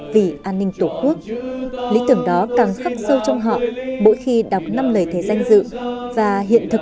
vì lý tưởng xã hội chủ nghĩa